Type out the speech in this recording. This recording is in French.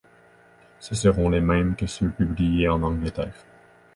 Ce seront les mêmes que ceux publiés en Angleterre.